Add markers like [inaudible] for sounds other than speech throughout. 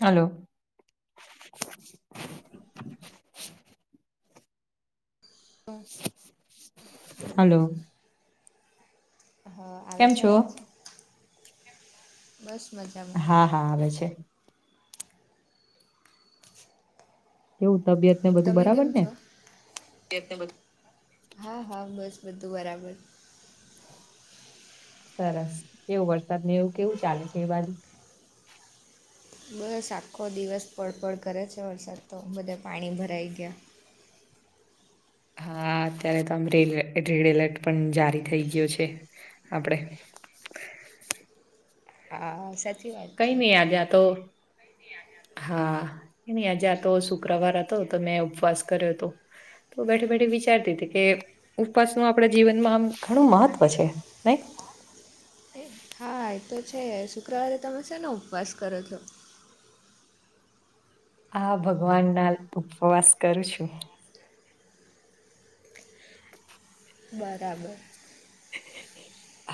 Hello. Hello હ.. આવે કેમ છે છો? અવાજ, કેમ છો? બસ મજામાં હા હા આવે છે. કેવું તબિયત ને બધું તમે કેમ બરાબર ને? છો? તઈ તો બધું, હા-હા બસ બધું બરાબર સરસ, કેવો વરસાદ ને એવું કેવું ચાલે છે, એ બાજુ બસ આખો દિવસ પડ-પડ કરે છે વરસાદ તો, બધા પાણી ભરાઈ ગયા. હા, અત્યારે તો આમ રે રેડ એલર્ટ પણ જારી થઈ ગયો છે, આપડે આ.. આ, સેટ કઈ નહી આ ગ્યા તો હા, એ નઈ આજે તો શુક્રવાર હતો, તો મેં ઉપવાસ કર્યો તો તો બેઠે-બેઠે વિચારતી તી કે ઉપવાસનું આપણા જીવનમાં આમ ઘણું મહત્વ છે, નઈ એ હા, એ તો છે શુક્રવારે તમે શેનો ઉપવાસ કરો છો? આ ભગવાન ના ઉપવાસ કરું છું. બરાબર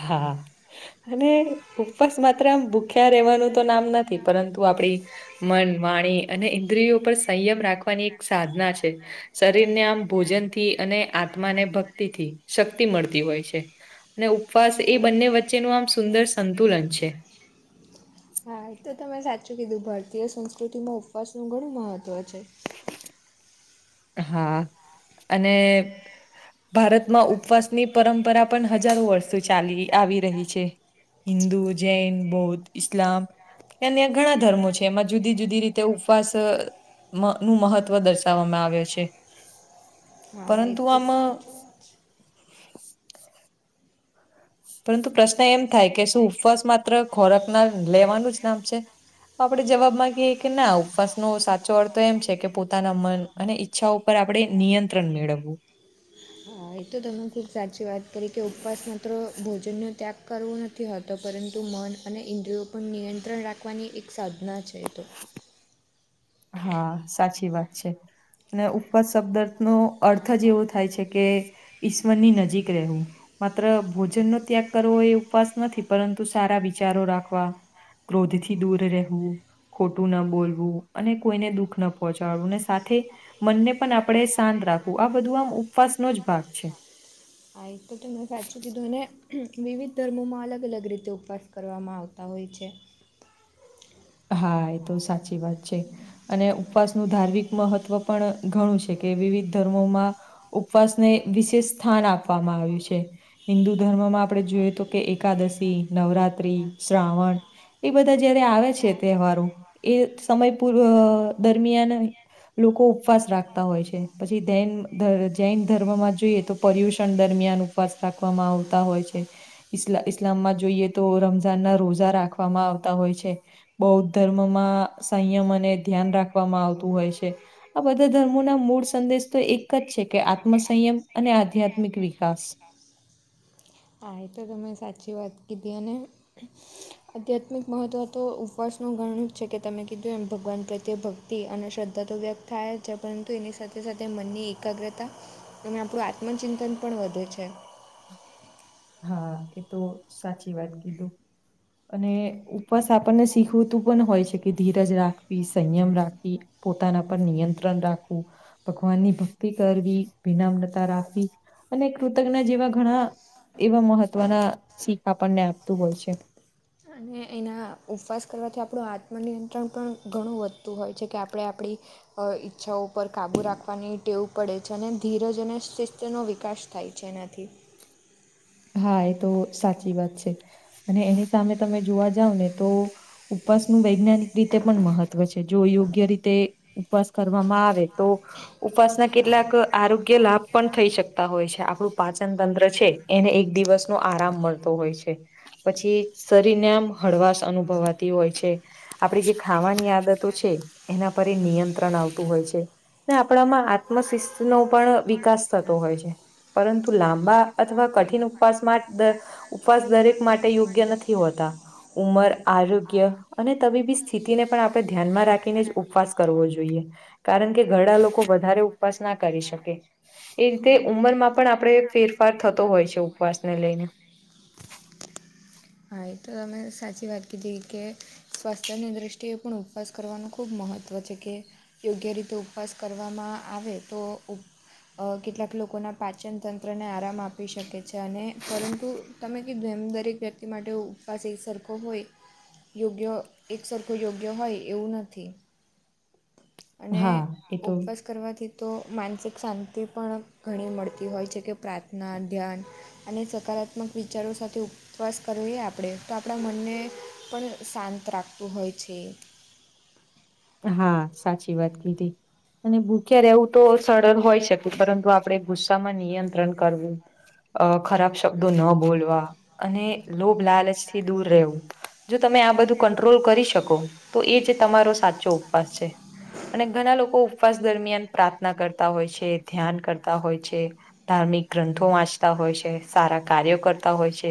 હા અને ઉપવાસ માત્ર આમ ભૂખ્યા રહેેવાનું તો નામ નથી, પરંતુ આપડી મન, વાણી અને ઇન્દ્રિયો પર સંયમ રાખવાની એક સાધના છે. શરીર ને આમ ભોજનથી અને આત્માને ભક્તિ શક્તિ મળતી હોય છે. અને ઉપવાસ એ બંને વચ્ચેનું આમ સુંદર સંતુલન છે. હા એ તો તમે સાચું કીધું, ભારતીય સંસ્કૃતિમાં ઉપવાસ નું ઘણું મહત્વ છે. હા, અને ભારતમાં ઉપવાસની પરંપરા પણ હજારો વર્ષો ચાલી આવી રહી છે. હિન્દુ, જૈન, બૌદ્ધ, ઇસ્લામ અન્ય ઘણા ધર્મો છે, એમાં જુદી-જુદી રીતે ઉપવાસ મ નું મહત્વ દર્શાવવામાં આવ્યો છે, હા એ પરંતુ તો આમં સાચી વાત છે પરંતુ પ્રશ્ન એમ થાય કે, શું ઉપવાસ માત્ર ખોરાક ના લેવાનું જ નામ છે. તો આપડે જવાબ માંગીએ કે ના ઉપવાસનો સાચો અર્થ એમ છે, કે પોતાના મન અને ઈચ્છાઓ ઉપર આપડે નિયંત્રણ મેળવવું. હા, એ તો તમે ખુબ સાચી વાત કરી કે ઉપવાસ માત્ર ભોજનનો ત્યાગ કરવો નથી. નથી હતો, પરંતુ મન અને ઇન્દ્રિયો પર નિયંત્રણ રાખવાની એક સાધના છે, તો [inaudible] હા, સાચી વાત છે. અને ઉપવાસ શબ્દાર્થ નો અર્થ જ એવો થાય છે, કે ઈશ્વરની નજીક રહેવું. માત્ર ભોજનનો ત્યાગ કરવો એ ઉપવાસ નથી, પરંતુ સારા વિચારો રાખવા ક્રોધથી દૂર રહેવું, ખોટું ના બોલવું. અને કોઈને દુઃખ ન પહોંચાડવું ને સાથે મન ને પણ આપણે શાંત રાખવું, આ બધું આમ ઉપવાસનો જ ભાગ છે. આ ઈ તો તમને સાચું કીધુ ને વિવિધ ધર્મોમાં અલગ-અલગ રીતે ઉપવાસ કરવામાં આવતા હોય છે. હા, એ તો સાચી વાત છે. અને ઉપવાસનું ધાર્મિક મહત્ત્વ પણ ઘણું છે, કે વિવિધ ધર્મોમાં ઉપવાસને વિશેષ સ્થાન આપવામાં આવ્યું છે. હિન્દુ ધર્મમાં આપણે જોઈએ, તો કે એકાદશી, નવરાત્રિ, શ્રાવણ એ બધા જયારે આવે છે. તહેવારો એ સમય પૂર દરમિયાન લોકો ઉપવાસ રાખતા હોય છે. પછી જૈન જૈન ધર્મમાં જોઈએ તો પર્યુષણ દરમિયાન ઉપવાસ રાખવામાં આવતા હોય છે. ઇ ઇસ્લામમાં જોઈએ. તો રમઝાનના રોઝા રાખવામાં આવતા હોય છે. બૌદ્ધ ધર્મમાં સંયમ અને ધ્યાન રાખવામાં આવતું હોય છે. આ બધા ધર્મોના મૂળ સંદેશ તો એક જ છે, કે આત્મસયમ અને આધ્યાત્મિક વિકાસ હા એ તો તમે સાચી વાત કીધી અને આધ્યાત્મિક મહત્ત્વ તો ઉપવાસનું ઘણું જ છે કે, તમે કીધું એમ ભગવાન પ્રત્યે ભ કતી અને શ્રદ્ધા તો વ્યક્ત થાય છે. પરંતુ એની સાથે સાથે મનની એકાગ્રતા એનાથી આપણું આત્મચિંતન પણ વધે છે. હા, એ તો સાચી વાત કીધું. અને ઉપવાસ આપણને શીખવતું પણ હોય છે, કે ધીરજ રાખવી સંયમ રાખવી પોતાના પર નિયંત્રણ રાખવું. ભગવાનની ભક્તિ કરવી વિનામ્રતા રાખવી અને કૃતજ્ઞ જેવા ઘણા એવા મહત્વના શીખ આપણને આપે છે. અને એના ઉપવાસ કરવાથી આપણું આત્મનિયંત્રણ પણ ઘણું વધતું હોય છે, કે આપણે આપણી અ ઈચ્છાઓ પર કાબુ રાખવાની ટેવ પડે છે અને ધીરજ અને શિસ્તનો વિકાસ થાય છે, એનાથી હા, એ તો સાચી વાત છે. અને એની સામે તમે જોવા જાવ ને તો ઉપવાસનું વૈજ્ઞાનિક રીતે પણ મહત્વ છે. જો યોગ્ય રીતે ઉપવાસ કરવામાં આવે તો ઉપસના કેટલાક આરોગ્ય લાભ પણ થઈ શકતા હોય છે, આપણું પાચન તંત્ર છે. એને એક દિવસનો આરામ મળતો હોય છે. પછી શરીરને આમ હળવાશ અનુભવાતી હોય છે. આપડી જે ખાવાની આદતો છે, એના પર એ નિયંત્રણ આવતું હોય છે. ને આપણામાં આત્મશિસ્તનો પણ વિકાસ થતો હોય છે. પરંતુ લાંબા અથવા કઠિન ઉપસ ઉપવાસ દરેક માટે યોગ્ય નથી હોતા ઉંમર આરોગ્ય અને તબીબી સ્થિતિને પણ આપણે ધ્યાનમાં રાખીને જ ઉપવાસ કરવો જોઈએ. કારણ કે ઘડા લોકો વધારે ઉપવાસ ના કરી શકે. એ રીતે હા. પણ ઉંમરમાં પણ આપણે ફેરફાર થતો હોય છે. ઉપવાસને લઈને હા તો તમે સાચી વાત કીધી, કે સ્વાસ્થ્યની દ્રષ્ટિએ પણ ઉપવાસ કરવાનું ખૂબ મહત્વ છે. કે યોગ્ય રીતે ઉપવાસ કરવામાં આવે તો કેટલાક લોકોના પાચનતંત્રને આરામ આપી શકે છે, અને પરંતુ તમે ક જેમ દરેક વ્યક્તિ માટે ઉપ પવાસ એક સરખો હોય યોગ્ય એક સરખો યોગ્ય હોય એવું નથી. અને હા એ તો ઉપવાસ્ કરવાથી તો માનસિક શાંતિ પણ ઘણી મળતી હોય છે, કે પ્રાર્થના, ધ્યાન અને સકારાત્મક વિચારો સાથે ઉપવાસ કરવો એ આપણે તો આપણા મનને પણ શાંત રાખતું હોય છે. હા, સાચી વાત અને ભૂખ્યા એવું તો સરળ હોય શકે પરંતુ આપણે ગુસ્સામાં નિયંત્રણ કરવું ખરાબ શબ્ દો ન બોલવા અને લોભ, લાલચ થી દૂર રહેવું જો તમે બધું કટ્રોલ કરી શકો. તો એ તમા પાસ છે. અને ઘણા લોકો ઉપવાસ દરમિયાન પ્રાર્થના કરતા હોય છે, ધ્યાન કરતા હોય છે. ધાર્મિક ગ્રંથો વાંચતા હોય છે, સારા કાર્યો કરતા હોય છે,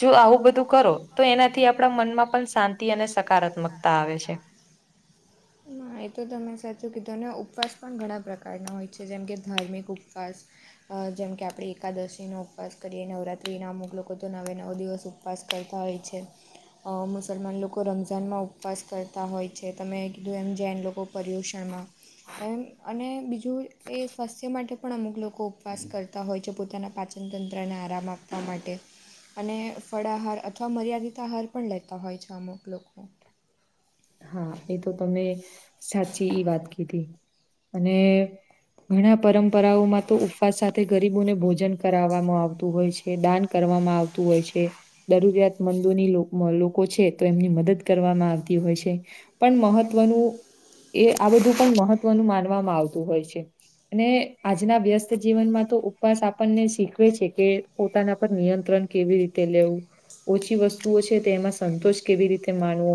જો આવું બધું કરો. તો એનાથી આપણા મનમાં પણ શાંતિ અને સકારાત્મકતા આવે છે. એ તો તમે સાચું કીધું. અને ઉપવાસ પણ ઘણા પ્રકારના હોય છે, જેમ કે ધાર્મિક ઉપવાસ [inaudible] હા જેમ કે આપણે એકાદશીનો ઉપવાસ કરીએ, નવરાત્રીના અમુક લોકો તો નવે નવ દિવસ ઉપ ઉપવાસ કરતા હોય છે. અ મુસલમાન લોકો રમઝાનમાં ઉપવાસ કરતા હોય છે, તો મેં કીધું એમ જૈન લોકો પર્યુષણમાં. એમ અને બીજું એ સ્વાસ્થ્ય માટે પણ અમુક લોકો ઉપવાસ કરતા હોય છે. પોતાના પાચનતંત્રને આરામ આપવા માટે. અને ફળ, આહાર અથવા મર્યાદિત આહાર પણ લેતા હોય છે અમુક લોકો. હા એતો તમે સાચી વાત કીધી. અને ઘણા પરંપરાઓમાં તો ઉપવાસ સાથે ગરીબોને ભોજન કરાવામાં આવતું હોય છે, દાન કરવામાં આવતું હોય છે. દરૂરિયાતમંદોની લોક લોકો છે તો એમની મદદ કરવામાં આવતી હોય છે. પણ મહત્વનું એ આ બધું પણ મહત્વનું માનવામાં આવતું હોય છે. અને આજના વ્યસ્ત જીવનમાં તો ઉપવાસ આપણને શીખવે છે કે પોતાના પર નિયંત્રણ કેવી રીતે લેવું. ઓછી વસ્તુઓ છે તેમાં સંતોષ કેવી રીતે માનવો.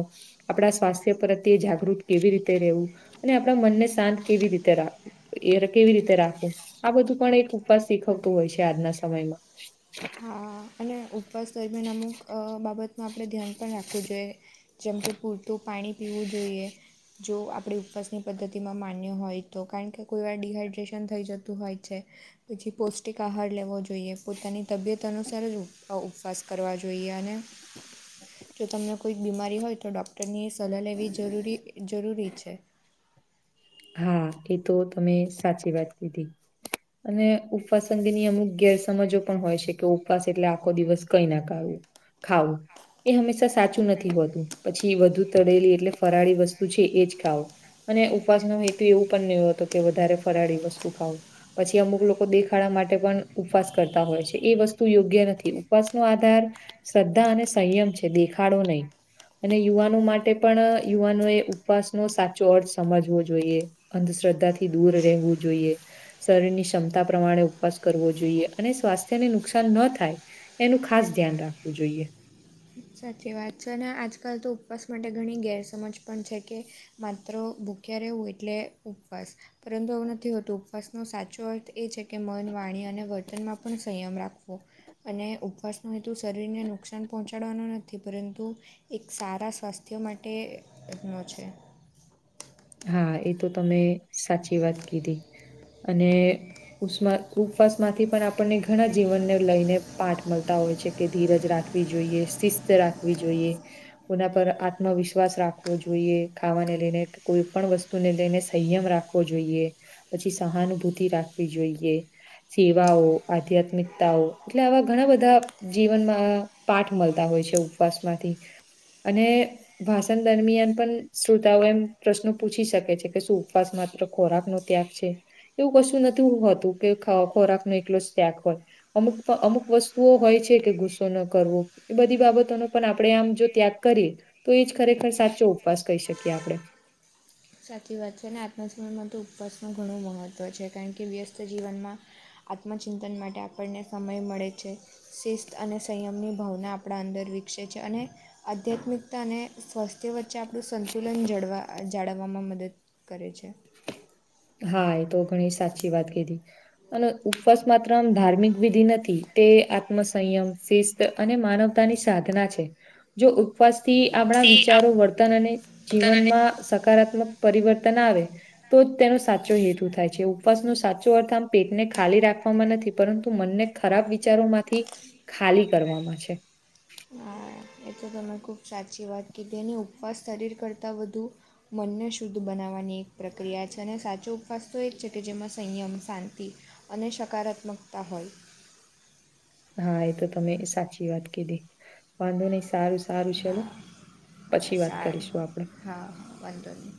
આપડા સ્વાસ્થ્ય પ્રત્યે જાગૃત કેવી રીતે રેવું, અને આપણા મનને શાંત કેવી રીતે રાખવું. એર કેવી રીતે રાખવું. આ બધું પણ એક ઉપવાસ શીખવતું હોય છે આજના સમયમાં. હા અને ઉપવાસ દરમિયાન અમુક અ બાબતનું આપણે ધ્યાન પણ રાખવું જોઈએ. જેમ કે પૂરતું પાણી પીવું જોઈએ. જો આપણી ઉપવાસની પદ્ધતિમાં માન્ય હોય તો કારણ કે કોઈ વાર ડિહાઈડ્રેશન થઈ જતું હોય છે. પછી પોષ્ટિક આહાર લેવો જોઈએ. પોતાની તબિયત અનુસાર જ ઉપ ઉપવાસ કરવા જોઈએ. અને જો તમને કોઈક બીમારી હોય તો ડૉક્ટરની સલાહ લેવી જરૂરી જરૂરી છે. હા એતો તમે સાચી વાત કીધી. અને ઉપવાસ અંગેની અમુક ગેરસમજો પણ હોય છે કે ઉપવાસ એટલે આખો દિવસ કઈ ના કાવું ખાવું. એ હંમેશા સાચું નથી હોતું. પછી વધુ તળેલી એટલે ફરાળી વસ્તુ છે એ જ ખાવુ. અને ઉપવાસનો હેતુ એવું પણ નય હોતો કે વધારે ફરાળી વસ્તુ ખાવુ. પછી અમુક લોકો દેખાડા માટે પણ ઉપવાસ કરતા હોય છે. એ વસ્તુ યોગ્ય નથી ઉપવાસનો આધાર શ્રદ્ધા અને સંયમ છે દેખાડો નઈ. અને યુવાનો માટે પણ યુવાનો એ ઉપવાસનો સાચો અર્થ સમજ વો જોઈએ. અંધશ્રદ્ધાથી દૂર રહેવું જોઈએ. શરીરની ક્ષમતા પ્રમાણે ઉપવાસ કરવો જોઈએ. અને સ્વાસ્થ્યને નુકસાન ન થાય. એનું ખાસ ધ્યાન રાખવું જોઈએ. સાચી વાત છે. અને આજકાલ તો ઉપવાસ માટે ઘણી ગેરસમજ પણ છે કે માત્ર ભૂખ્યા રેહવુ એટલે ઉપવાસ. પરંતુ આવું નથી હોતું. ઉપવાસનો સાચો અર્થ એ છે કે મન, વાણી અને વર્તનમાં પણ સંયમ રાખવો. અને ઉપવાસનો હેતુ શરીરને નુકસાન પહોંચા ચાડવાનો નથી. પરંતુ એક સારા સ્વાસ્થ્ય માટેનો છે. હા એ તો તમે સાચી વાત કીધી. અને ઉસ્મ ઉપવાસમાંથી પણ આપણને ઘણા જીવનને લઈને પાઠ મલતા હોય છે કે ધીરજ રાખ વી જોઈએ. શિસ્ત રાખવી જોઈએ. કોના પર આત્મવિશ્વાસ રાખવો જોઈએ ખાવાને લીઈને. કોઈ પણ વસ્તુને લઈને સંયમ રાખવો જોઈએ. પછી સહાનુભૂતિ રાખવી જોઈએ. સેવાઓ, આધ્યાત્મિકતાઓ એટલે આવા ઘણા બધા જીવનમાં.... પાઠ મલતા હોય છે. ઉપવાસમાંથી..... અને ભાષણ દરમિયાન પન શ્રોતાઓ એમ..... પ્રશ્નો પૂછી શકે છે. કે શું ઉપવાસ માત્ર ખોરાક નો ત્યાગ છે? એવું કશું નથી હોતું. કે ખાઓ ખોરાક નો એકલો ત્યાગ કરવો. અમુક અમુક વસ્તુઓ હોય છે, કે ગુસ્સો ન કરવો. એ બધી બાબતોનો પણ આપડે આમ જો ત્યાગ કરીએ! તો એ જ ખરેખર સાચો ઉપવાસ કહી શકીએ આપડે. સાચી વાત છે અને આજના સમયમાં તો ઉપવાસનું ઘણું મહત્ત્વ છે. કારણ કે વ્યસ્ત જીવનમાં..... આત્મચિંતન માટે આપણને સમય મળે છે. શિસ્ત અને સંયમની ભાવના આપડા અંદર વિકસે છે અને.... આધ્યાત્મિકતા અને સ્વસ્થ. તે વચ્ચે આપણું સંતુલન જળવા જાળવવામાં મદદ કરે છે. હા, એ તો ઘણી સાચી વાત કીધી. અને ઉપવાસ માત્ર આમ ધાર્મિક વિધિ નથી. તે આત્મસંયમ શિસ્ત.... અને માનવતાની સાધના છે. જો ઉપવાસ થી આપણા વિચારો વર્તન અને..... જીવનમાં સકારાત્મક પરિવર્તન આવે તો જ તેનો સાચો હેતુ થાય. થાય છે. ઉપવાસ નો સાચો અર્થ આમ..... પેટને ખાલી રાખવામાં નથી. પરંતુ મનને ખરાબ વિચારો માંથી ખાલી કરવામાં છે. હા. એ તો તમે ખૂબ સાચી વાત કીધી અને ઉપવાસ શરીર કરતાં વધુ..... મનને શુદ્ધ બનાવવાની એક પ્રક્રિયા છે, અને સાચો ઉપવાસ તો એજ છે કે, જેમાં સંયમ શાંતિ. અને સકારાત્મકતા હોય. હા એ તો તમે સાચી વાત કીધી વાંધો. નહી સારું સારું છેલો.... હા હા સારું. હા વાંધો નહી.